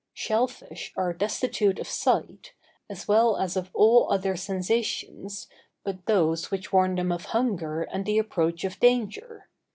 Shell fish are destitute of sight, as well as of all other sensations but those which warn them of hunger and the approach of danger.